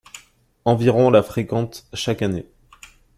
Environ la fréquentent chaque année.